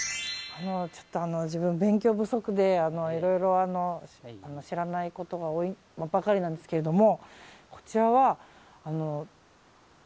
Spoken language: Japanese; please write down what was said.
ちょっと自分、勉強不足でいろいろ知らないことばかりなんですけども。